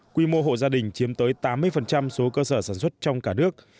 quy mô hộ gia đình chiếm tới tám mươi số cơ sở sản xuất trong cả nước